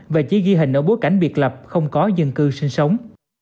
và chỉ ghi hình ở bối cảnh biệt lập không có dân cư sinh sống